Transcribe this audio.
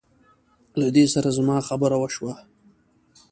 له دې سره زما خبره وشوه.